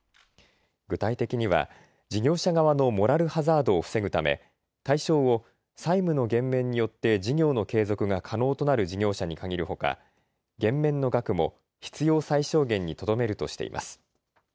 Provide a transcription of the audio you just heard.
具体的には事業者側のモラルハザードを防ぐため対象を債務の減免によって事業の継続が可能となる事業者に限るほか減免の額も必要最小限にとどめるとしています。